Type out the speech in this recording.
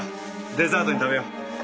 デザートに食べよう。